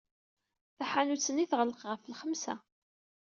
Taḥanut-nni teɣleq ɣef lxemsa.